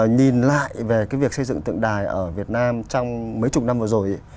nhìn lại về cái việc xây dựng tượng đài ở việt nam trong mấy chục năm vừa rồi